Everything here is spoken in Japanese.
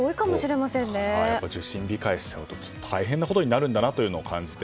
受診控えしちゃうと大変なことになるなと感じて。